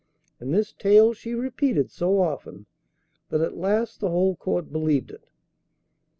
And this tale she repeated so often, that at last the whole court believed it.